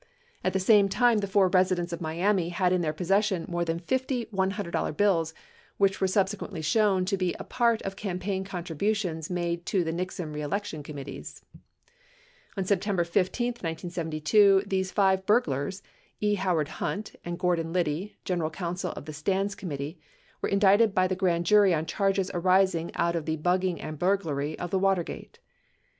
At the same time, the four residents of Miami had in their possession more than fifty $100 bills which were subsequently shown to be a part of campaign contributions made to the Nixon reelection committees. On Sentember 15. 1972, these five burglars, E. Howard Hunt, and Gordon Biddy, general counsel of the Stans committee, were indicted bv the grand jury on charges arising out of the bugging and burglary of the Watergate.